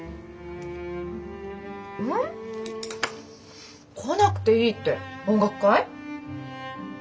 ん？来なくていいって音楽会？